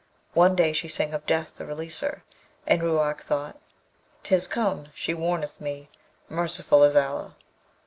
One day she sang of Death the releaser, and Ruark thought, ''Tis come! she warneth me! Merciful is Allah!'